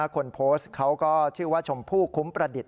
ของโฟสเขาก็ชื่อว่าชมผู้คุ้มประดิษฐ์